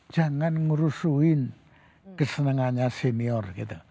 jangan ngerusuin kesenangannya senior gitu